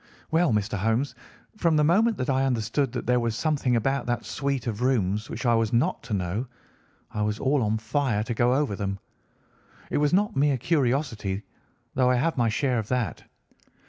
"Well, Mr. Holmes, from the moment that I understood that there was something about that suite of rooms which I was not to know, I was all on fire to go over them. It was not mere curiosity, though I have my share of that.